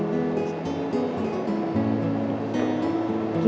nanti aku ambil